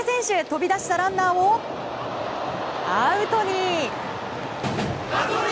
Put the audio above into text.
飛び出したランナーをアウトに！